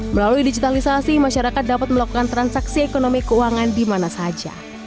melalui digitalisasi masyarakat dapat melakukan transaksi ekonomi keuangan di mana saja